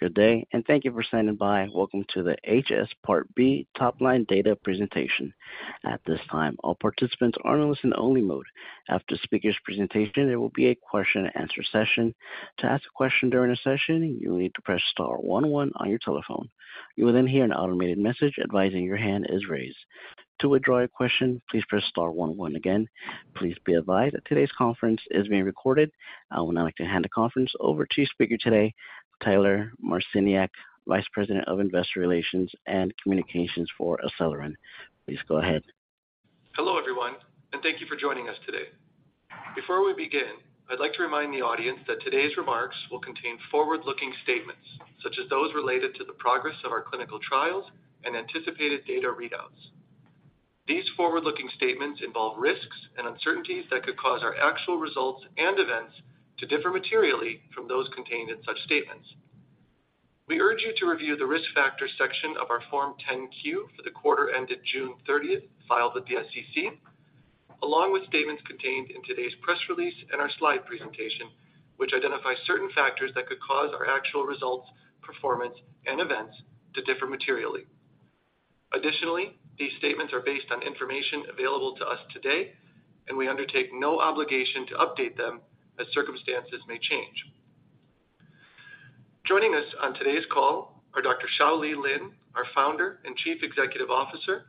Good day, and thank you for standing by. Welcome to the HS Part B Top Line Data Presentation. At this time, all participants are in a listen-only mode. After the speaker's presentation, there will be a question and answer session. To ask a question during the session, you'll need to press star one one on your telephone. You will then hear an automated message advising your hand is raised. To withdraw your question, please press star one one again. Please be advised that today's conference is being recorded. I would now like to hand the conference over to speaker today, Tyler Marciniak, Vice President of Investor Relations and Communications for ACELYRIN. Please go ahead. Hello, everyone, and thank you for joining us today. Before we begin, I'd like to remind the audience that today's remarks will contain forward-looking statements, such as those related to the progress of our clinical trials and anticipated data readouts. These forward-looking statements involve risks and uncertainties that could cause our actual results and events to differ materially from those contained in such statements. We urge you to review the Risk Factors section of our Form 10-Q for the quarter ended June 30, filed with the SEC, along with statements contained in today's press release and our slide presentation, which identify certain factors that could cause our actual results, performance, and events to differ materially. Additionally, these statements are based on information available to us today, and we undertake no obligation to update them as circumstances may change. Joining us on today's call are Dr. Shao-Lee Lin, our Founder and Chief Executive Officer,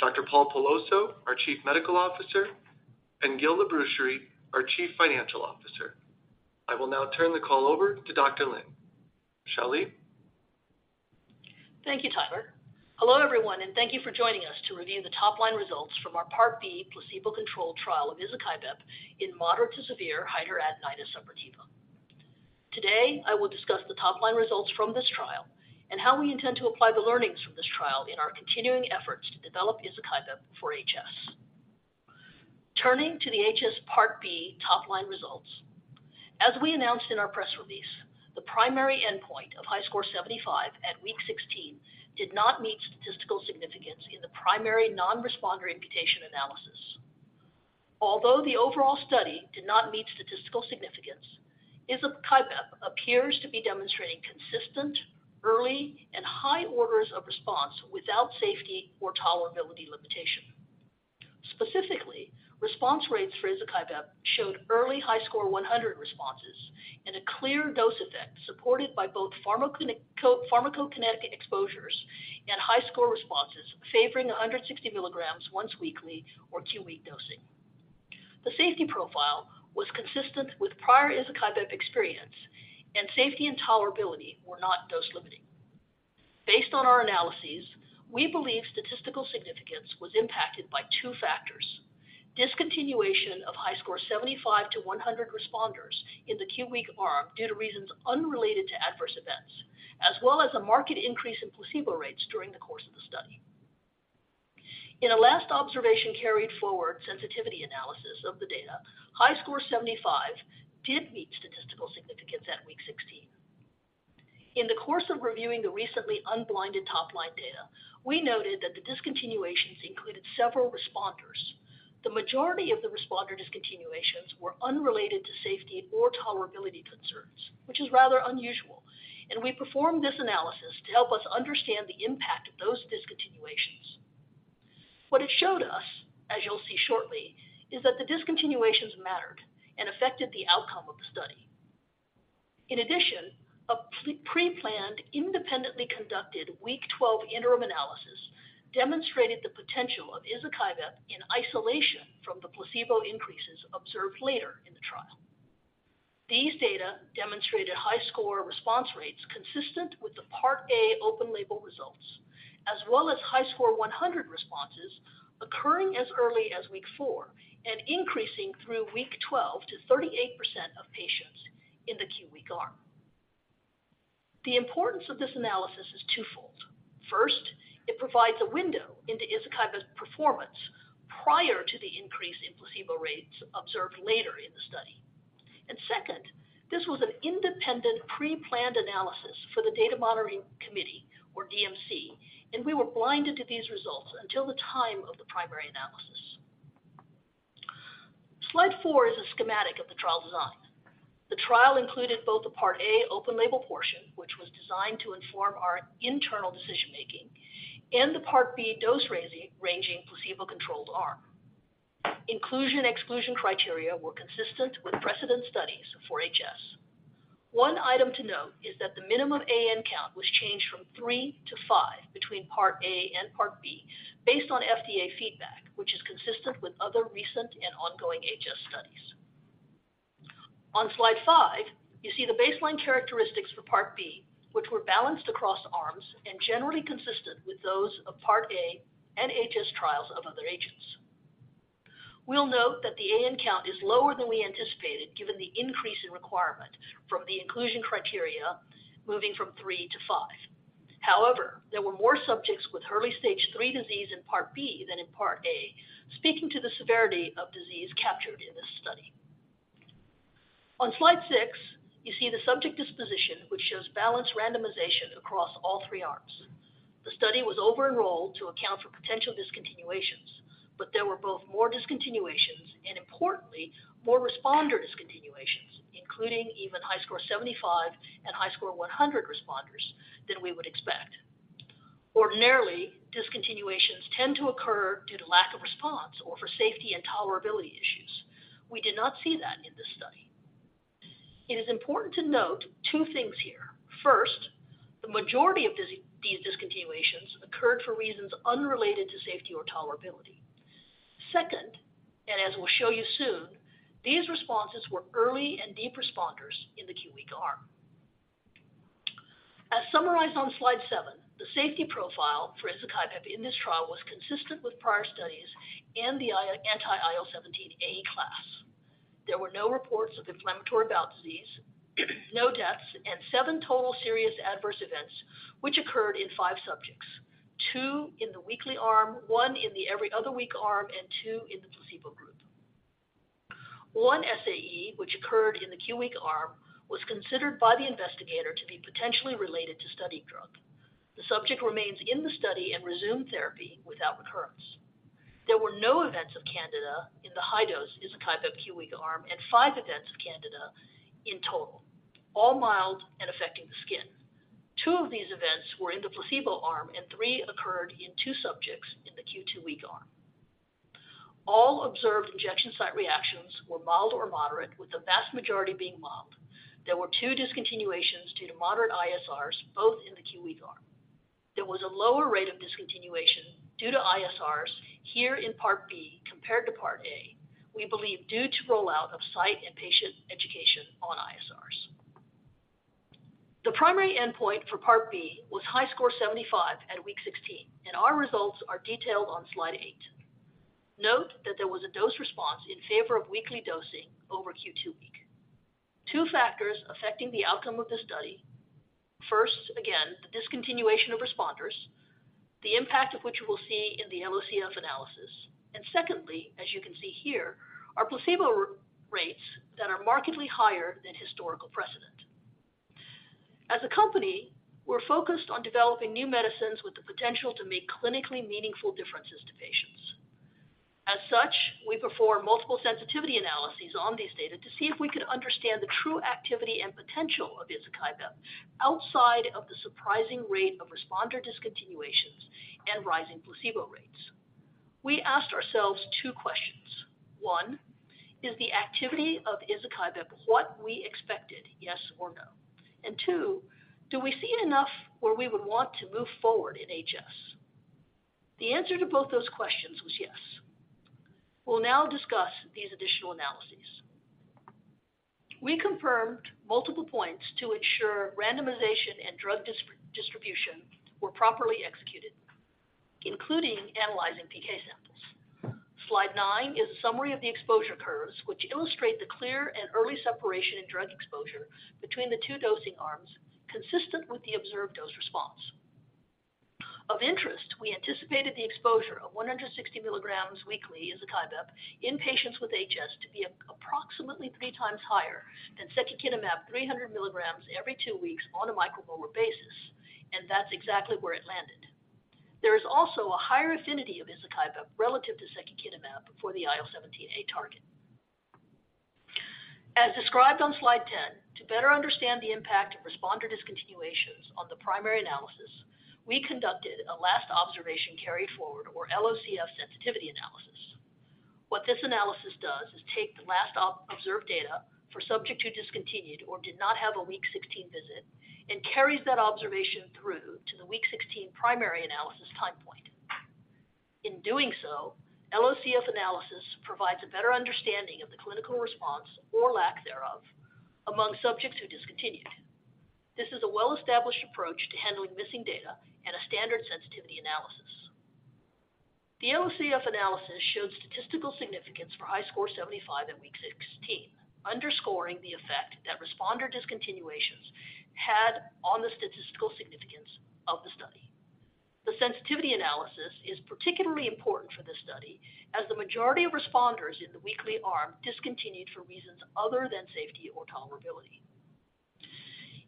Dr. Paul Peloso, our Chief Medical Officer, and Gil Labrucherie, our Chief Financial Officer. I will now turn the call over to Dr. Lin. Shao-Lee? Thank you, Tyler. Hello, everyone, and thank you for joining us to review the top-line results from our Part B placebo-controlled trial of izokibep in moderate to severe hidradenitis suppurativa. Today, I will discuss the top-line results from this trial and how we intend to apply the learnings from this trial in our continuing efforts to develop izokibep for HS. Turning to the HS Part B top-line results. As we announced in our press release, the primary endpoint of HiSCR75 at week 16 did not meet statistical significance in the primary non-responder imputation analysis. Although the overall study did not meet statistical significance, izokibep appears to be demonstrating consistent, early, and high orders of response without safety or tolerability limitation. Specifically, response rates for izokibep showed early HiSCR100 responses and a clear dose effect supported by both pharmacokinetic exposures and HiSCR responses, favoring 160 milligrams once weekly or Q week dosing. The safety profile was consistent with prior izokibep experience, and safety and tolerability were not dose-limiting. Based on our analyses, we believe statistical significance was impacted by two factors: discontinuation of HiSCR75 to HiSCR100 responders in the Q week arm due to reasons unrelated to adverse events, as well as a marked increase in placebo rates during the course of the study. In a last observation carried forward sensitivity analysis of the data, HiSCR75 did meet statistical significance at week 16. In the course of reviewing the recently unblinded top-line data, we noted that the discontinuations included several responders. The majority of the responder discontinuations were unrelated to safety or tolerability concerns, which is rather unusual, and we performed this analysis to help us understand the impact of those discontinuations. What it showed us, as you'll see shortly, is that the discontinuations mattered and affected the outcome of the study. In addition, a pre-planned, independently conducted week 12 interim analysis demonstrated the potential of izokibep in isolation from the placebo increases observed later in the trial. These data demonstrated HiSCR response rates consistent with the Part A open label results, as well as HiSCR100 responses occurring as early as week 4 and increasing through week 12 to 38% of patients in the Q week arm. The importance of this analysis is twofold. First, it provides a window into izokibep's performance prior to the increase in placebo rates observed later in the study. Second, this was an independent, pre-planned analysis for the Data Monitoring Committee, or DMC, and we were blinded to these results until the time of the primary analysis. Slide 4 is a schematic of the trial design. The trial included both the Part A open label portion, which was designed to inform our internal decision-making, and the Part B dose-ranging placebo-controlled arm. Inclusion/exclusion criteria were consistent with precedent studies for HS. One item to note is that the minimum AN count was changed from 3 to 5 between Part A and Part B based on FDA feedback, which is consistent with other recent and ongoing HS studies. On slide 5, you see the baseline characteristics for Part B, which were balanced across arms and generally consistent with those of Part A and HS trials of other agents. We'll note that the AN count is lower than we anticipated, given the increase in requirement from the inclusion criteria moving from 3 to 5. However, there were more subjects with early stage 3 disease in Part B than in Part A, speaking to the severity of disease captured in this study. On slide 6, you see the subject disposition, which shows balanced randomization across all 3 arms. The study was over-enrolled to account for potential discontinuations, but there were both more discontinuations and importantly, more responder discontinuations, including even HiSCR 75 and HiSCR 100 responders than we would expect. Ordinarily, discontinuations tend to occur due to lack of response or for safety and tolerability issues. We did not see that in this study. It is important to note two things here. First, the majority of these discontinuations occurred for reasons unrelated to safety or tolerability. Second, and as we'll show you soon, these responses were early and deep responders in the Q week arm. As summarized on slide seven, the safety profile for izokibep in this trial was consistent with prior studies and the anti-IL-17A class. There were no reports of inflammatory bowel disease, no deaths, and seven total serious adverse events, which occurred in five subjects, two in the weekly arm, one in the every other week arm, and two in the placebo group. One SAE, which occurred in the Q week arm, was considered by the investigator to be potentially related to study drug. The subject remains in the study and resumed therapy without recurrence. There were no events of Candida in the high-dose izokibep Q week arm, and five events of Candida in total, all mild and affecting the skin. Two of these events were in the placebo arm, and three occurred in two subjects in the Q2W arm. All observed injection site reactions were mild or moderate, with the vast majority being mild. There were two discontinuations due to moderate ISRs, both in the QW arm. There was a lower rate of discontinuation due to ISRs here in Part B compared to Part A, we believe, due to rollout of site and patient education on ISRs. The primary endpoint for Part B was HiSCR75 at week 16, and our results are detailed on slide 8. Note that there was a dose response in favor of weekly dosing over Q2W. Two factors affecting the outcome of the study. First, again, the discontinuation of responders, the impact of which you will see in the LOCF analysis, and secondly, as you can see here, are placebo response rates that are markedly higher than historical precedent. As a company, we're focused on developing new medicines with the potential to make clinically meaningful differences to patients. As such, we perform multiple sensitivity analyses on these data to see if we could understand the true activity and potential of izokibep outside of the surprising rate of responder discontinuations and rising placebo rates. We asked ourselves two questions. One, is the activity of izokibep what we expected? Yes or no. And two, do we see it enough where we would want to move forward in HS? The answer to both those questions was yes. We'll now discuss these additional analyses. We confirmed multiple points to ensure randomization and drug distribution were properly executed, including analyzing PK samples. Slide 9 is a summary of the exposure curves, which illustrate the clear and early separation in drug exposure between the two dosing arms, consistent with the observed dose response. Of interest, we anticipated the exposure of 160 milligrams weekly izokibep in patients with HS, to be approximately 3 times higher than secukinumab 300 milligrams every two weeks on a micromolar basis, and that's exactly where it landed. There is also a higher affinity of izokibep relative to secukinumab for the IL-17A target. As described on slide 10, to better understand the impact of responder discontinuations on the primary analysis, we conducted a last observation carried forward or LOCF sensitivity analysis. What this analysis does is take the last observed data for subjects who discontinued or did not have a week 16 visit and carries that observation through to the week 16 primary analysis time point. In doing so, LOCF analysis provides a better understanding of the clinical response or lack thereof among subjects who discontinued. This is a well-established approach to handling missing data and a standard sensitivity analysis. The LOCF analysis showed statistical significance for HiSCR75 at week 16, underscoring the effect that responder discontinuations had on the statistical significance of the study. The sensitivity analysis is particularly important for this study, as the majority of responders in the weekly arm discontinued for reasons other than safety or tolerability.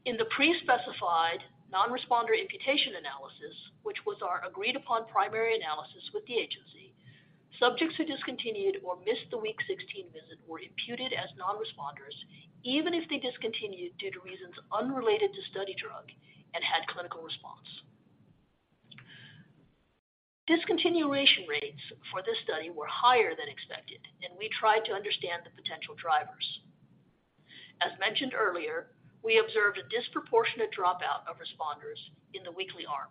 In the pre-specified non-responder imputation analysis, which was our agreed-upon primary analysis with the agency, subjects who discontinued or missed the week 16 visit were imputed as non-responders, even if they discontinued due to reasons unrelated to study drug and had clinical response. Discontinuation rates for this study were higher than expected, and we tried to understand the potential drivers. As mentioned earlier, we observed a disproportionate dropout of responders in the weekly arm.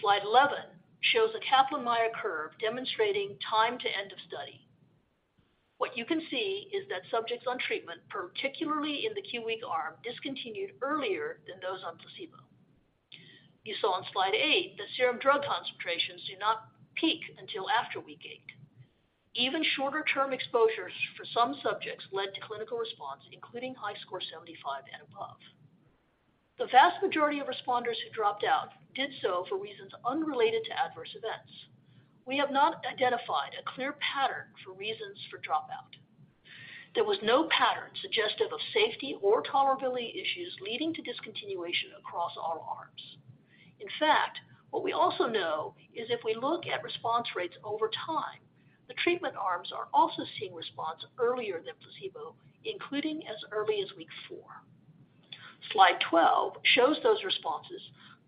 Slide 11 shows a Kaplan-Meier curve demonstrating time to end of study. What you can see is that subjects on treatment, particularly in the Q week arm, discontinued earlier than those on placebo. You saw on slide 8 that serum drug concentrations do not peak until after week 8. Even shorter-term exposures for some subjects led to clinical response, including HiSCR 75 and above. The vast majority of responders who dropped out did so for reasons unrelated to adverse events. We have not identified a clear pattern for reasons for dropout. There was no pattern suggestive of safety or tolerability issues leading to discontinuation across all arms. In fact, what we also know is if we look at response rates over time, the treatment arms are also seeing response earlier than placebo, including as early as week 4. Slide 12 shows those responses,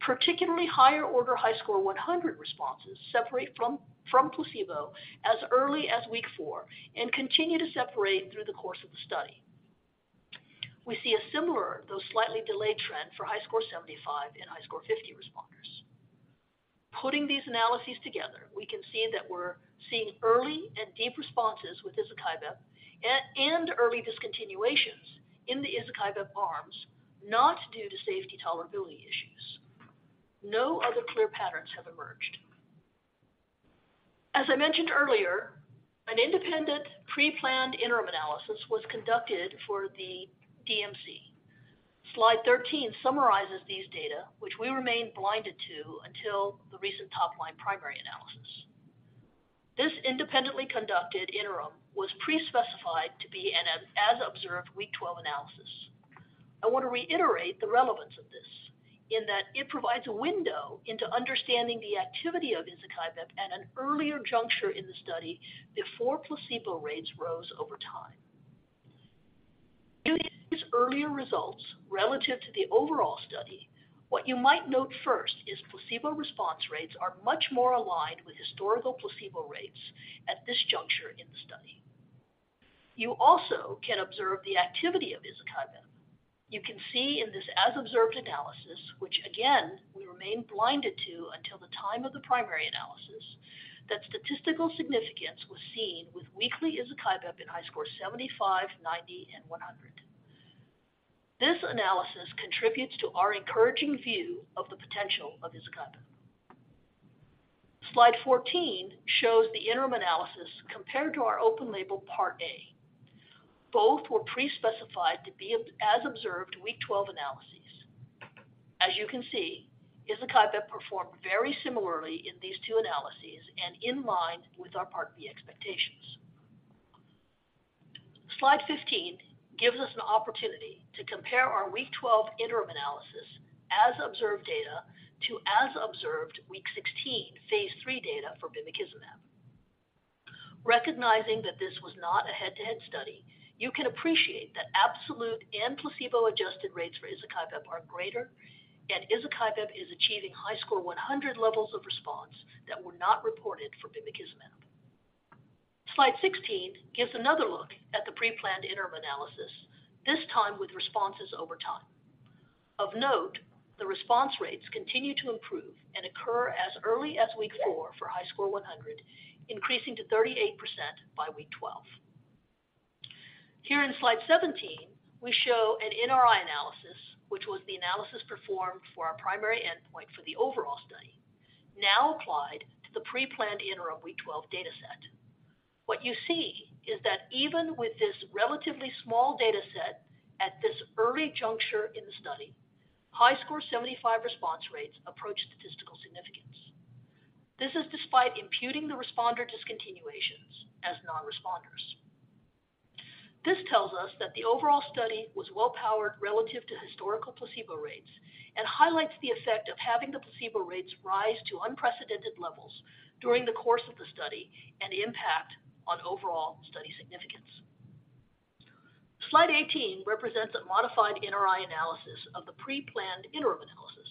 particularly higher-order HiSCR100 responses separate from placebo as early as week 4 and continue to separate through the course of the study. We see a similar, though slightly delayed trend for HiSCR75 and HiSCR50 responders. Putting these analyses together, we can see that we're seeing early and deep responses with izokibep, and early discontinuations in the izokibep arms, not due to safety tolerability issues. No other clear patterns have emerged. As I mentioned earlier, an independent pre-planned interim analysis was conducted for the DMC. Slide 13 summarizes these data, which we remained blinded to until the recent top-line primary analysis. This independently conducted interim was pre-specified to be an as-observed week 12 analysis. I want to reiterate the relevance of this in that it provides a window into understanding the activity of izokibep at an earlier juncture in the study before placebo rates rose over time. Due to these earlier results relative to the overall study, what you might note first is placebo response rates are much more aligned with historical placebo rates at this juncture in the study. You also can observe the activity of izokibep. You can see in this as-observed analysis, which again, we remained blinded to until the time of the primary analysis, that statistical significance was seen with weekly izokibep in HiSCR 75, 90, and 100. This analysis contributes to our encouraging view of the potential of izokibep. Slide 14 shows the interim analysis compared to our open label Part A. Both were pre-specified to be as-observed week 12 analyses. As you can see, izokibep performed very similarly in these two analyses and in line with our Part B expectations. Slide 15 gives us an opportunity to compare our week 12 interim analysis as-observed data to as-observed week 16 phase 3 data for bimekizumab. Recognizing that this was not a head-to-head study, you can appreciate that absolute and placebo-adjusted rates for izokibep are greater, and izokibep is achieving HiSCR100 levels of response that were not reported for bimekizumab. Slide 16 gives another look at the preplanned interim analysis, this time with responses over time. Of note, the response rates continue to improve and occur as early as week 4 for HiSCR100, increasing to 38% by week 12. Here in slide 17, we show an NRI analysis, which was the analysis performed for our primary endpoint for the overall study, now applied to the preplanned interim week 12 data set. What you see is that even with this relatively small data set, at this early juncture in the study, HiSCR75 response rates approach statistical significance. This is despite imputing the responder discontinuations as non-responders. This tells us that the overall study was well-powered relative to historical placebo rates and highlights the effect of having the placebo rates rise to unprecedented levels during the course of the study and the impact on overall study significance. Slide 18 represents a modified NRI analysis of the preplanned interim analysis.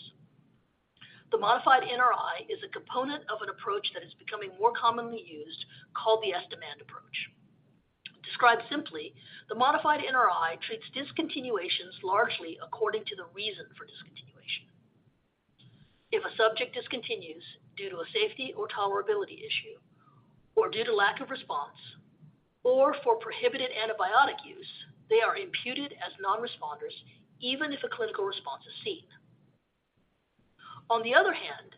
The modified NRI is a component of an approach that is becoming more commonly used called the estimand approach. Described simply, the modified NRI treats discontinuations largely according to the reason for discontinuation. If a subject discontinues due to a safety or tolerability issue, or due to lack of response, or for prohibited antibiotic use, they are imputed as non-responders even if a clinical response is seen. On the other hand,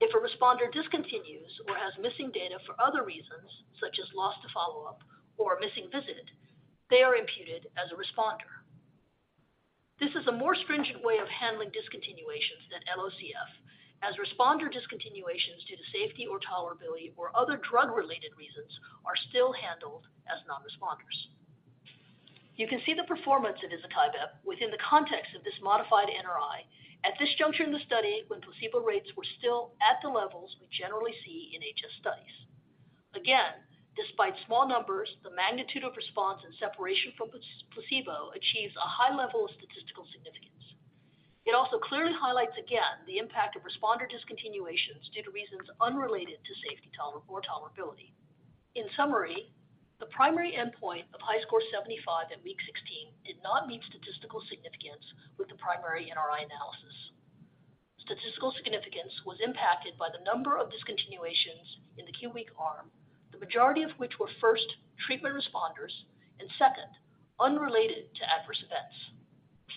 if a responder discontinues or has missing data for other reasons, such as loss to follow-up or missing visit, they are imputed as a responder. This is a more stringent way of handling discontinuations than LOCF, as responder discontinuations due to safety or tolerability or other drug-related reasons are still handled as non-responders. You can see the performance of izokibep within the context of this modified NRI at this juncture in the study, when placebo rates were still at the levels we generally see in HS studies. Again, despite small numbers, the magnitude of response and separation from placebo achieves a high level of statistical significance. It also clearly highlights again the impact of responder discontinuations due to reasons unrelated to safety or tolerability. In summary, the primary endpoint of HiSCR75 at week 16 did not meet statistical significance with the primary NRI analysis. Statistical significance was impacted by the number of discontinuations in the Q week arm, the majority of which were first treatment responders and second, unrelated to adverse events.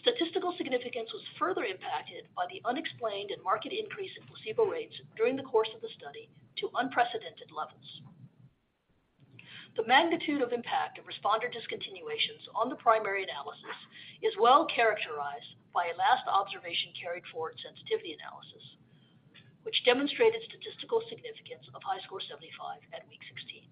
Statistical significance was further impacted by the unexplained and marked increase in placebo rates during the course of the study to unprecedented levels. The magnitude of impact of responder discontinuations on the primary analysis is well characterized by a last observation carried forward sensitivity analysis... which demonstrated statistical significance of HiSCR75 at week 16.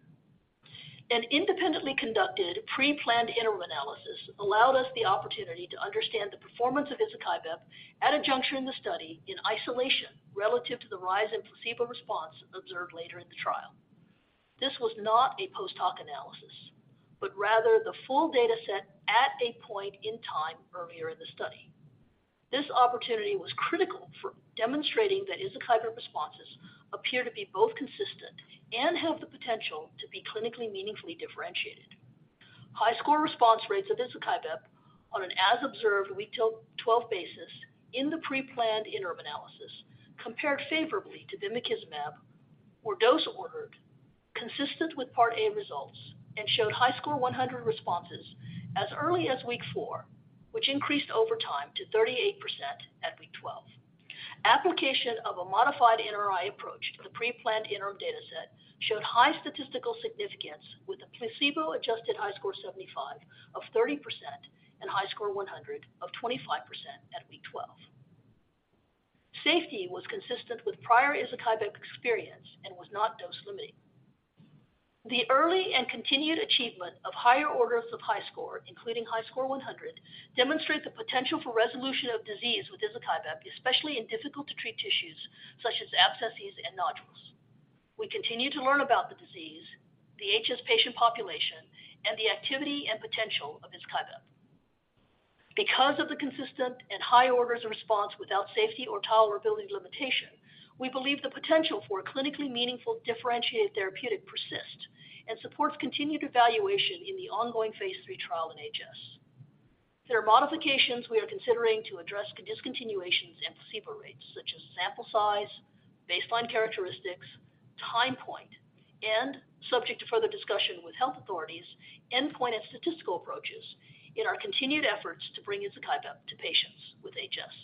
An independently conducted, pre-planned interim analysis allowed us the opportunity to understand the performance of izokibep at a juncture in the study in isolation, relative to the rise in placebo response observed later in the trial. This was not a post-hoc analysis, but rather the full data set at a point in time earlier in the study. This opportunity was critical for demonstrating that izokibep responses appear to be both consistent and have the potential to be clinically meaningfully differentiated. HiSCR response rates of izokibep on an as observed week 12 basis in the pre-planned interim analysis, compared favorably to secukinumab, where dose ordered, consistent with Part A results, and showed HiSCR100 responses as early as week 4, which increased over time to 38% at week 12. Application of a modified NRI approach to the pre-planned interim data set showed high statistical significance, with a placebo-adjusted HiSCR75 of 30% and HiSCR100 of 25% at week 12. Safety was consistent with prior izokibep experience and was not dose-limiting. The early and continued achievement of higher orders of HiSCR, including HiSCR100, demonstrate the potential for resolution of disease with izokibep, especially in difficult to treat tissues such as abscesses and nodules. We continue to learn about the disease, the HS patient population, and the activity and potential of izokibep. Because of the consistent and high orders of response without safety or tolerability limitation, we believe the potential for a clinically meaningful, differentiated therapeutic persists and supports continued evaluation in the ongoing phase 3 trial in HS. There are modifications we are considering to address discontinuations and placebo rates, such as sample size, baseline characteristics, time point, and subject to further discussion with health authorities, endpoint and statistical approaches in our continued efforts to bring izokibep to patients with HS.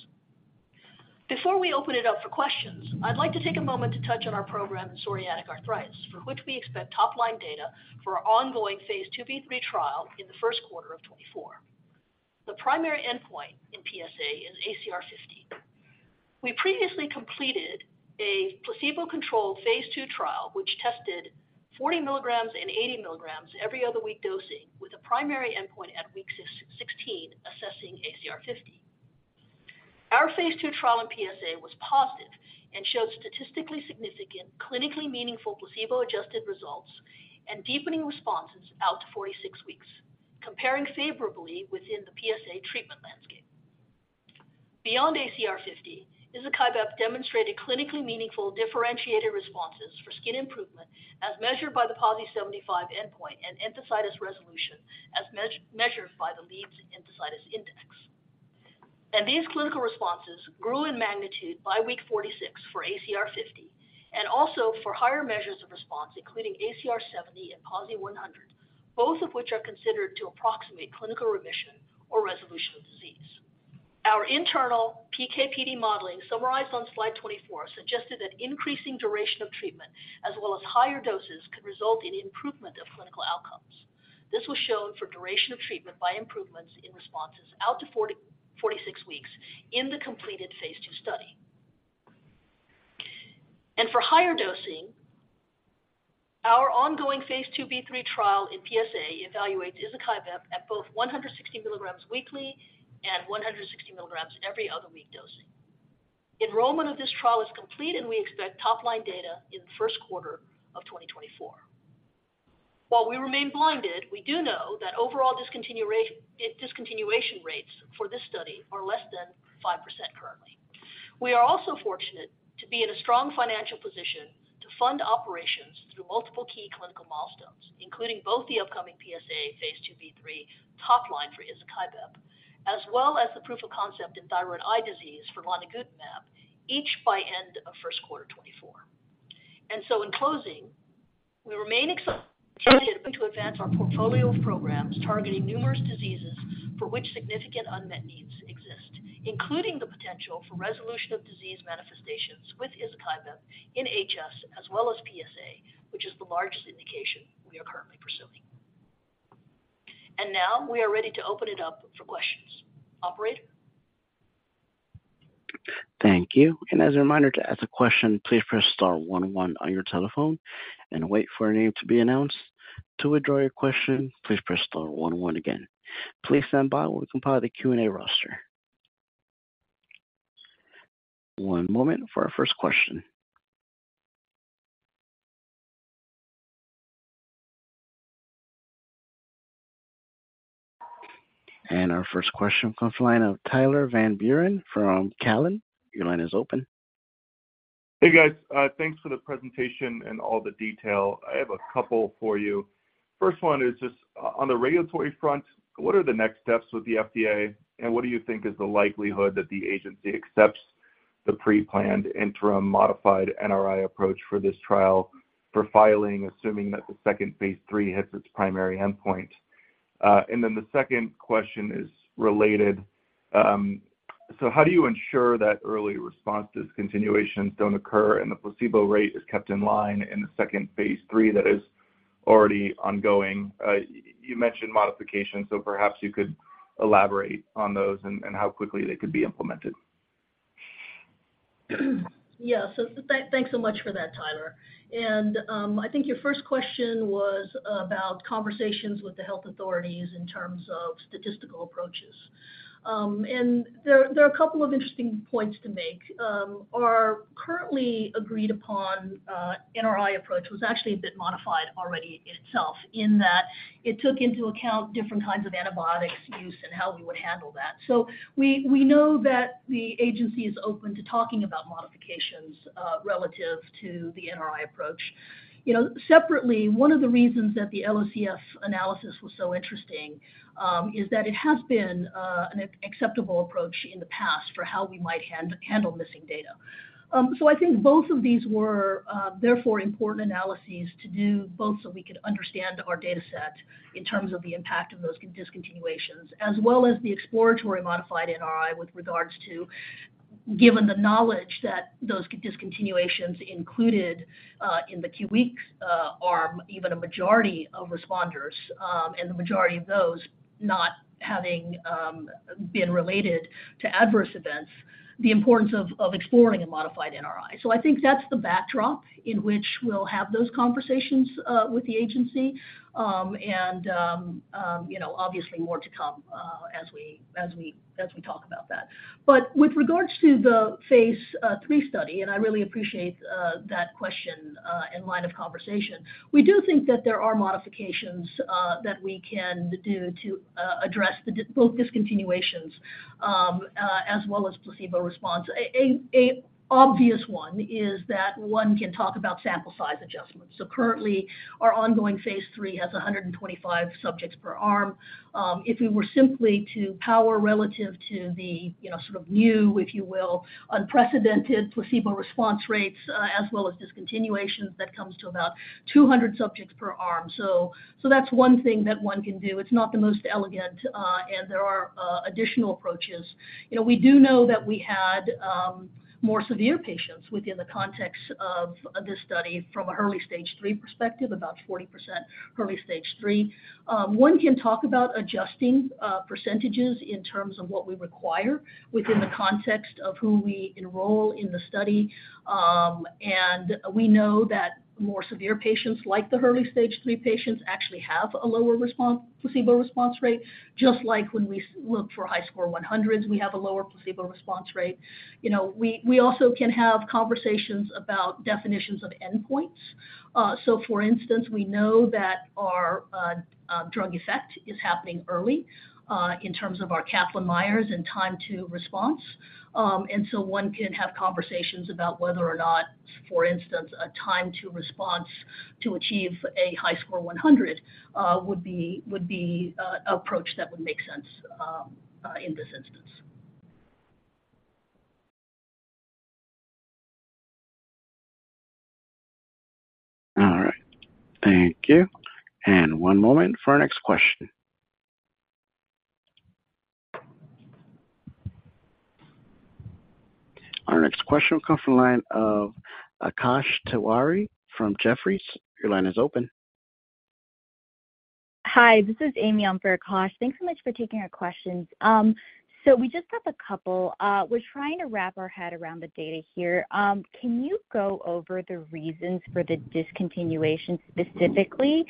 Before we open it up for questions, I'd like to take a moment to touch on our program, psoriatic arthritis, for which we expect top-line data for our ongoing phase 2b/3 trial in the first quarter of 2024. The primary endpoint in PsA is ACR50. We previously completed a placebo-controlled phase 2 trial, which tested 40 milligrams and 80 milligrams every other week dosing, with a primary endpoint at week 16, assessing ACR50. Our phase 2 trial in PsA was positive and showed statistically significant, clinically meaningful placebo-adjusted results and deepening responses out to 46 weeks, comparing favorably within the PsA treatment landscape. Beyond ACR50, izokibep demonstrated clinically meaningful, differentiated responses for skin improvement as measured by the PASI75 endpoint and enthesitis resolution as measured by the Leeds Enthesitis Index. These clinical responses grew in magnitude by week 46 for ACR50, and also for higher measures of response, including ACR70 and PASI100, both of which are considered to approximate clinical remission or resolution of disease. Our internal PK/PD modeling, summarized on slide 24, suggested that increasing duration of treatment, as well as higher doses, could result in improvement of clinical outcomes. This was shown for duration of treatment by improvements in responses out to 40-46 weeks in the completed phase 2 study. For higher dosing, our ongoing phase 2b trial in PsA evaluates izokibep at both 160 milligrams weekly and 160 milligrams every other week dosing. Enrollment of this trial is complete, and we expect top-line data in the first quarter of 2024. While we remain blinded, we do know that overall discontinuation rates for this study are less than 5% currently. We are also fortunate to be in a strong financial position to fund operations through multiple key clinical milestones, including both the upcoming PsA Phase 2b/3 top-line for izokibep, as well as the proof of concept in thyroid eye disease for lonigutamab, each by end of first quarter 2024. And so in closing, we remain excited to advance our portfolio of programs targeting numerous diseases for which significant unmet needs exist, including the potential for resolution of disease manifestations with izokibep in HS as well as PsA, which is the largest indication we are currently pursuing. And now we are ready to open it up for questions. Operator? Thank you. As a reminder, to ask a question, please press star one one on your telephone and wait for your name to be announced. To withdraw your question, please press star one one again. Please stand by while we compile the Q&A roster. One moment for our first question. Our first question comes from the line of Tyler Van Buren from TD Cowen. Your line is open. Hey, guys. Thanks for the presentation and all the detail. I have a couple for you. First one is just, on the regulatory front, what are the next steps with the FDA, and what do you think is the likelihood that the agency accepts the pre-planned interim modified NRI approach for this trial for filing, assuming that the second phase 3 hits its primary endpoint? And then the second question is related. So how do you ensure that early response discontinuations don't occur and the placebo rate is kept in line in the second phase 3 that is-... already ongoing. You mentioned modifications, so perhaps you could elaborate on those and how quickly they could be implemented? Yeah, so thanks so much for that, Tyler. And, I think your first question was about conversations with the health authorities in terms of statistical approaches. And there, there are a couple of interesting points to make. Our currently agreed upon, NRI approach was actually a bit modified already in itself, in that it took into account different kinds of antibiotics use and how we would handle that. So we, we know that the agency is open to talking about modifications, relative to the NRI approach. You know, separately, one of the reasons that the LOCF analysis was so interesting, is that it has been, an acceptable approach in the past for how we might handle missing data. So I think both of these were therefore important analyses to do, both so we could understand our data set in terms of the impact of those discontinuations, as well as the exploratory modified NRI with regards to, given the knowledge that those discontinuations included in the two-week arm, even a majority of responders, and the majority of those not having been related to adverse events, the importance of exploring a modified NRI. So I think that's the backdrop in which we'll have those conversations with the agency. And you know, obviously more to come, as we talk about that. But with regards to the phase 3 study, and I really appreciate that question and line of conversation, we do think that there are modifications that we can do to address both discontinuations as well as placebo response. An obvious one is that one can talk about sample size adjustments. So currently, our ongoing phase 3 has 125 subjects per arm. If we were simply to power relative to the, you know, sort of new, if you will, unprecedented placebo response rates as well as discontinuations, that comes to about 200 subjects per arm. So that's one thing that one can do. It's not the most elegant, and there are additional approaches. You know, we do know that we had more severe patients within the context of this study from an early stage three perspective, about 40% early stage three. One can talk about adjusting percentages in terms of what we require within the context of who we enroll in the study. And we know that more severe patients, like the early stage three patients, actually have a lower response, placebo response rate, just like when we look for HiSCR 100s, we have a lower placebo response rate. You know, we also can have conversations about definitions of endpoints. So for instance, we know that our drug effect is happening early in terms of our Kaplan-Meiers and time to response. And so one can have conversations about whether or not, for instance, a time to response to achieve a HiSCR 100 would be an approach that would make sense in this instance. All right. Thank you. One moment for our next question. Our next question will come from the line of Akash Tewari from Jefferies. Your line is open. Hi, this is Amy on for Akash. Thanks so much for taking our questions. So we just have a couple. We're trying to wrap our head around the data here. Can you go over the reasons for the discontinuation, specifically,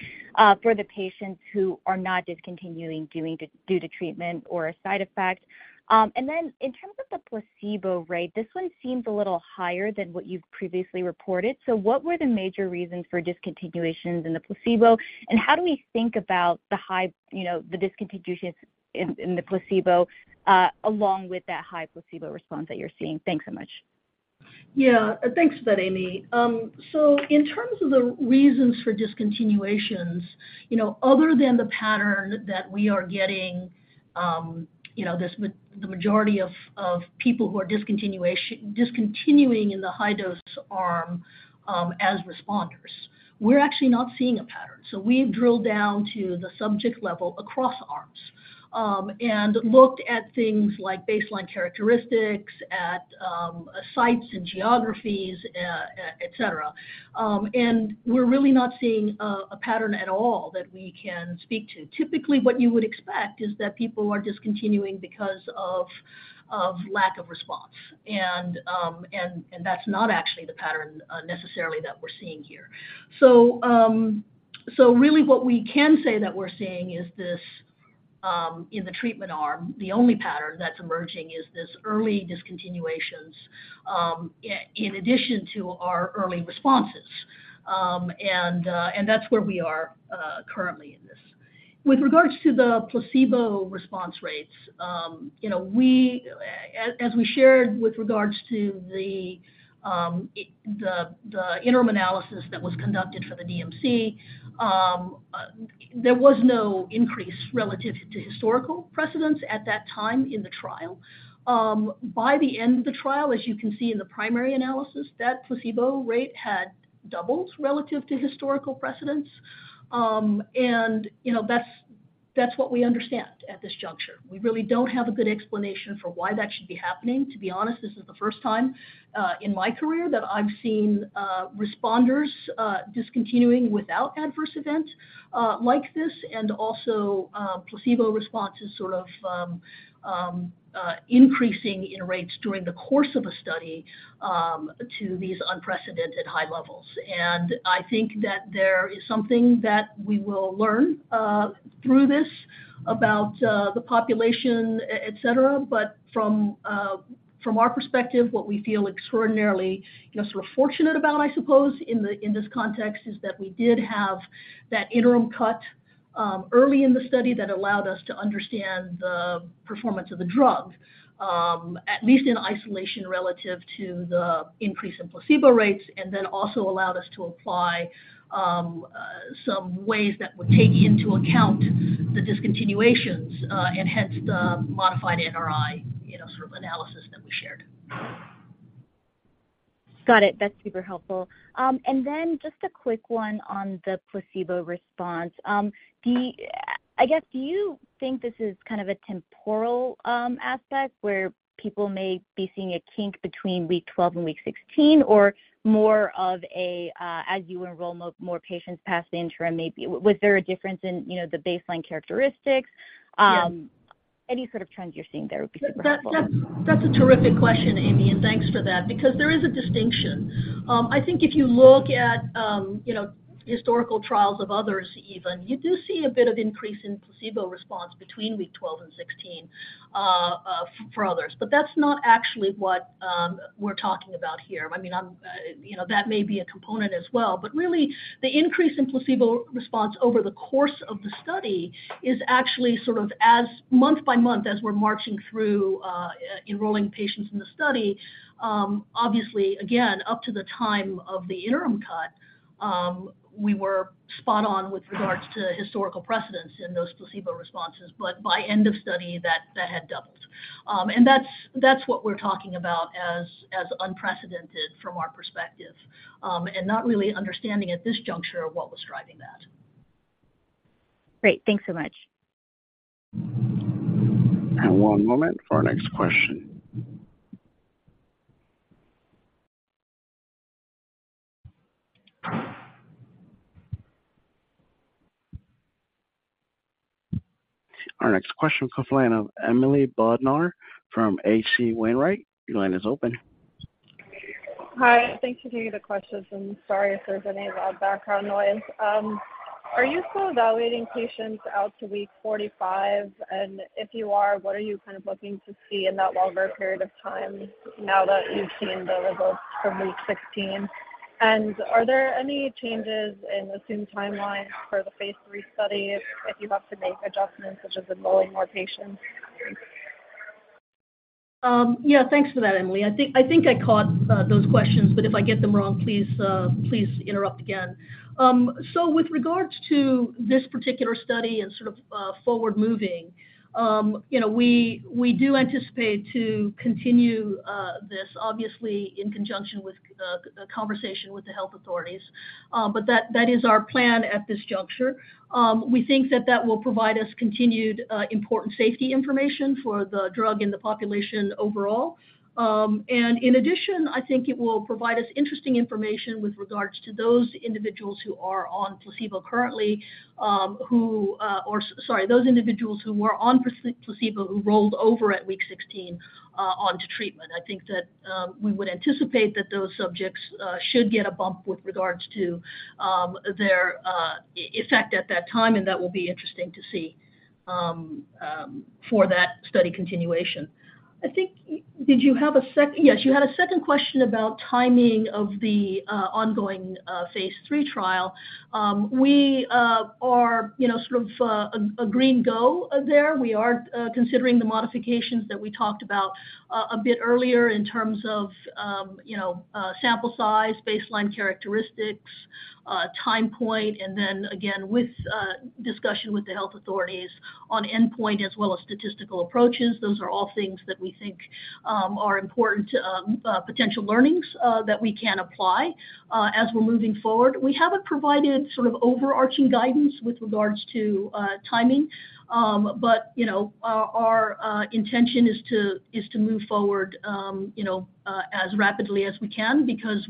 for the patients who are not discontinuing due to treatment or a side effect? And then in terms of the placebo rate, this one seems a little higher than what you've previously reported. So what were the major reasons for discontinuations in the placebo, and how do we think about the high, you know, the discontinuations in the placebo along with that high placebo response that you're seeing? Thanks so much. Yeah. Thanks for that, Amy. So in terms of the reasons for discontinuations, you know, other than the pattern that we are getting, you know, this with the majority of people who are discontinuing in the high-dose arm, as responders, we're actually not seeing a pattern. So we've drilled down to the subject level across arms, and looked at things like baseline characteristics, at sites and geographies, et cetera. And we're really not seeing a pattern at all that we can speak to. Typically, what you would expect is that people are discontinuing because of lack of response. And that's not actually the pattern necessarily that we're seeing here. Really what we can say that we're seeing is this, in the treatment arm, the only pattern that's emerging is this early discontinuations in addition to our early responses. And that's where we are currently in this. With regards to the placebo response rates, you know, we, as we shared with regards to the interim analysis that was conducted for the DMC, there was no increase relative to historical precedents at that time in the trial. By the end of the trial, as you can see in the primary analysis, that placebo rate had doubled relative to historical precedents. And, you know, that's. That's what we understand at this juncture. We really don't have a good explanation for why that should be happening. To be honest, this is the first time in my career that I've seen responders discontinuing without adverse events like this, and also placebo responses sort of increasing in rates during the course of a study to these unprecedented high levels. I think that there is something that we will learn through this about the population, et cetera. From our perspective, what we feel extraordinarily, you know, sort of fortunate about, I suppose, in this context, is that we did have that interim cut early in the study that allowed us to understand the performance of the drug, at least in isolation, relative to the increase in placebo rates, and then also allowed us to apply some ways that would take into account the discontinuations, and hence the modified NRI, you know, sort of analysis that we shared. Got it. That's super helpful. And then just a quick one on the placebo response. I guess, do you think this is kind of a temporal aspect where people may be seeing a kink between week 12 and week 16, or more of a, as you enroll more patients past the interim, maybe... Was there a difference in, you know, the baseline characteristics? Yeah. Any sort of trends you're seeing there would be helpful. That's a terrific question, Amy, and thanks for that, because there is a distinction. I think if you look at, you know, historical trials of others, even, you do see a bit of increase in placebo response between week 12 and 16, for others. But that's not actually what we're talking about here. I mean, you know, that may be a component as well, but really, the increase in placebo response over the course of the study is actually sort of as, month by month, as we're marching through, enrolling patients in the study. Obviously, again, up to the time of the interim cut, we were spot on with regards to historical precedents in those placebo responses, but by end of study, that had doubled. That's what we're talking about as unprecedented from our perspective, and not really understanding at this juncture what was driving that. Great. Thanks so much. One moment for our next question. Our next question comes from the line of Emily Bodnar from H.C. Wainwright. Your line is open. Hi, thank you for taking the questions, and sorry if there's any loud background noise. Are you still evaluating patients out to week 45? And if you are, what are you kind of looking to see in that longer period of time now that you've seen the results from week 16? And are there any changes in the same timeline for the phase 3 study if, if you have to make adjustments, such as enrolling more patients? Yeah, thanks for that, Emily. I think I caught those questions, but if I get them wrong, please interrupt again. So with regards to this particular study and sort of forward moving, you know, we do anticipate to continue this obviously in conjunction with conversation with the health authorities. But that is our plan at this juncture. We think that that will provide us continued important safety information for the drug and the population overall. And in addition, I think it will provide us interesting information with regards to those individuals who are on placebo currently, who or sorry, those individuals who were on placebo, who rolled over at week 16 onto treatment. I think that we would anticipate that those subjects should get a bump with regards to their effect at that time, and that will be interesting to see for that study continuation. I think did you have a second question about timing of the ongoing phase 3 trial. We are, you know, sort of a green go there. We are considering the modifications that we talked about a bit earlier in terms of you know sample size, baseline characteristics, time point, and then again with discussion with the health authorities on endpoint as well as statistical approaches. Those are all things that we think are important potential learnings that we can apply as we're moving forward. We haven't provided sort of overarching guidance with regards to timing. But you know, our intention is to move forward as rapidly as we can because,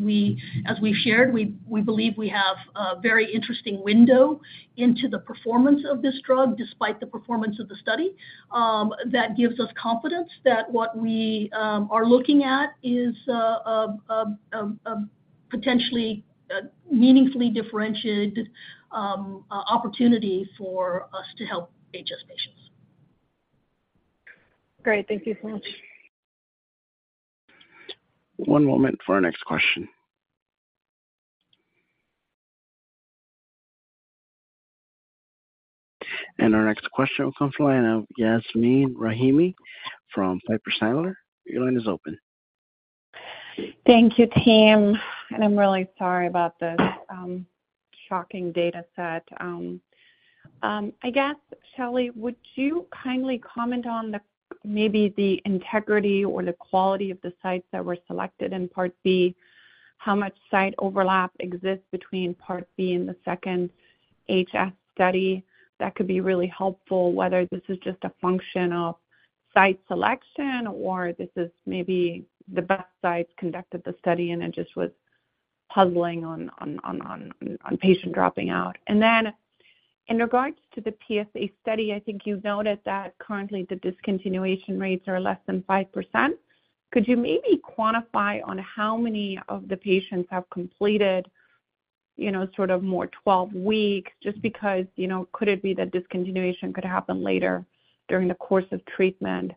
as we've shared, we believe we have a very interesting window into the performance of this drug, despite the performance of the study. That gives us confidence that what we are looking at is potentially meaningfully differentiated opportunity for us to help HS patients. Great. Thank you so much. One moment for our next question. Our next question will come from the line of Yasmin Rahimi from Piper Sandler. Your line is open. Thank you, team, and I'm really sorry about this, shocking data set. I guess, Shao-Lee, would you kindly comment on the, maybe the integrity or the quality of the sites that were selected in Part B? How much site overlap exists between Part B and the second HS study? That could be really helpful, whether this is just a function of site selection or this is maybe the best sites conducted the study, and it just was puzzling on patient dropping out. Then in regards to the PsA study, I think you noted that currently the discontinuation rates are less than 5%. Could you maybe quantify on how many of the patients have completed, you know, sort of more 12 weeks just because, you know, could it be that discontinuation could happen later during the course of treatment?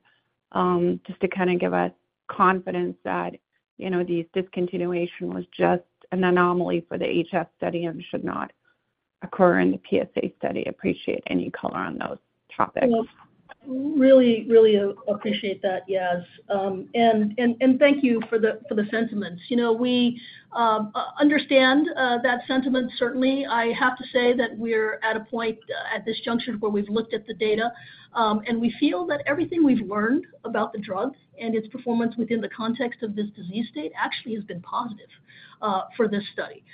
Just to kind of give us confidence that, you know, the discontinuation was just an anomaly for the HS study and should not occur in the PsA study. Appreciate any color on those topics. Well, really, really appreciate that, Yas. And thank you for the sentiments. You know, we understand that sentiment, certainly. I have to say that we're at a point at this juncture where we've looked at the data, and we feel that everything we've learned about the drug and its performance within the context of this disease state actually has been positive for this study.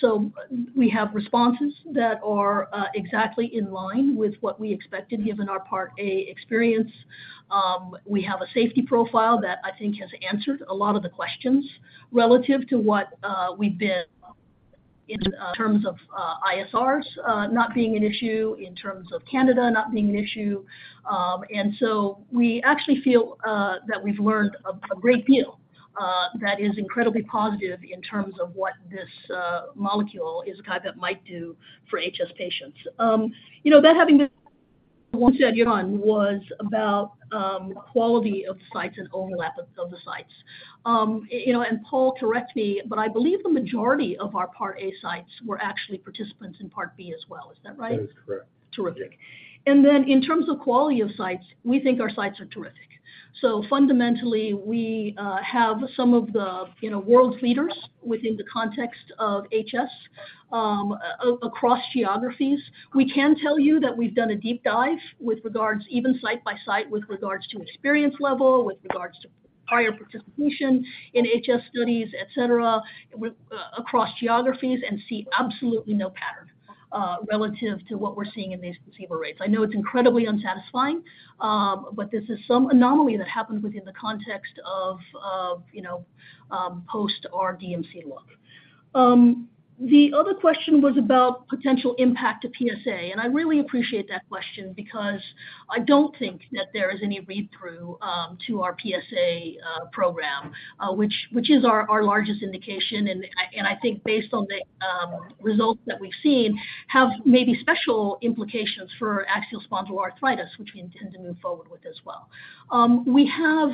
So we have responses that are exactly in line with what we expected, given our Part A experience. We have a safety profile that I think has answered a lot of the questions relative to what we've been in terms of ISRs not being an issue, in terms of Candida not being an issue. And so we actually feel that we've learned a great deal that is incredibly positive in terms of what this molecule is kind of might do for HS patients. You know, that having been said, your question was about quality of sites and overlap of the sites. You know, and Paul, correct me, but I believe the majority of our Part A sites were actually participants in Part B as well. Is that right? That is correct. Terrific. And then in terms of quality of sites, we think our sites are terrific. So fundamentally, we have some of the, you know, world's leaders within the context of HS across geographies. We can tell you that we've done a deep dive with regards, even site by site, with regards to experience level, with regards to prior participation in HS studies, et cetera, across geographies, and see absolutely no pattern relative to what we're seeing in these placebo rates. I know it's incredibly unsatisfying, but this is some anomaly that happened within the context of, of, you know, post our DMC look. The other question was about potential impact to PsA, and I really appreciate that question because I don't think that there is any read-through to our PsA program, which is our largest indication. I think based on the results that we've seen, have maybe special implications for axial spondyloarthritis, which we intend to move forward with as well. We have,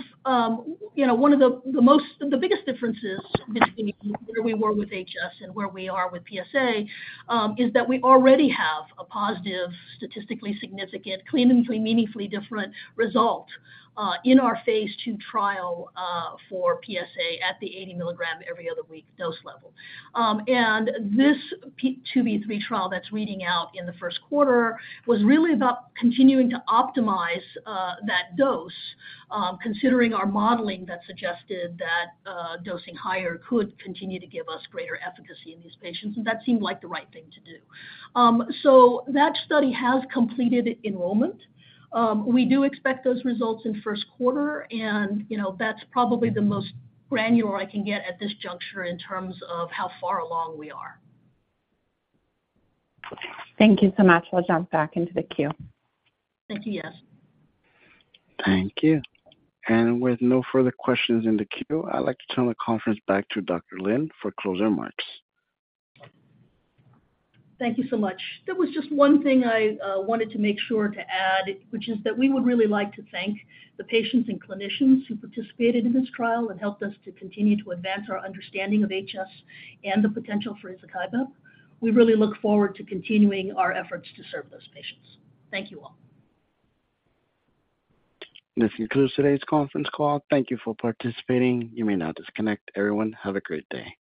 you know, one of the biggest differences between where we were with HS and where we are with PsA, is that we already have a positive, statistically significant, clinically meaningfully different result in our phase 2 trial for PsA at the 80-milligram every other week dose level. And this phase 2b/3 trial that's reading out in the first quarter was really about continuing to optimize that dose, considering our modeling that suggested that dosing higher could continue to give us greater efficacy in these patients, and that seemed like the right thing to do. So that study has completed enrollment. We do expect those results in first quarter, and, you know, that's probably the most granular I can get at this juncture in terms of how far along we are. Thank you so much. Let's jump back into the queue. Thank you, Yas. Thank you. With no further questions in the queue, I'd like to turn the conference back to Dr. Lin for closing remarks. Thank you so much. There was just one thing I wanted to make sure to add, which is that we would really like to thank the patients and clinicians who participated in this trial and helped us to continue to advance our understanding of HS and the potential for izokibep. We really look forward to continuing our efforts to serve those patients. Thank you, all. This concludes today's conference call. Thank you for participating. You may now disconnect. Everyone, have a great day.